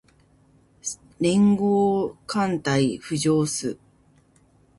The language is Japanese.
連合艦隊浮上す